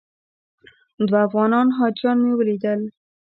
دوه افغان حاجیان مې ولیدل.